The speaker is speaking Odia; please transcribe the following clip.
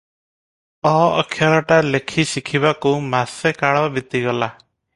ଅ ଅକ୍ଷରଟା ଲେଖି ଶିଖିବାକୁ ମାସେ କାଳ ବିତିଗଲା ।